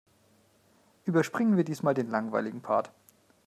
Überspringen wir diesmal den langweiligen Part.